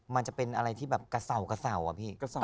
มันจะเป็นอะไรที่แบบกระเสากระเสาอะพี่